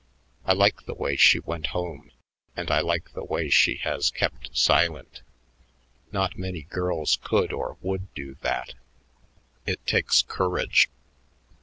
I like the way she went home, and I like the way she has kept silent. Not many girls could or would do that. It takes courage.